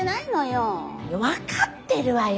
分かってるわよ。